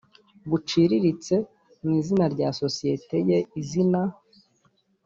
buciririritse mu izina rya sosiyete ye izina